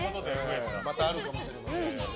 またあるかもしれません。